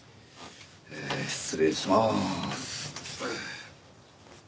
失礼します。